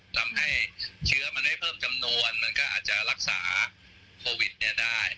ทำให้เชื้อมันไม่เพิ่มจำนวนมันก็อาจจะรักษาโควิดได้